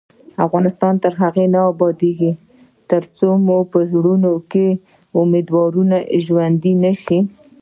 افغانستان تر هغو نه ابادیږي، ترڅو مو په زړونو کې امیدونه ژوندۍ نشي.